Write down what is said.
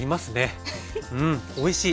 うんおいしい。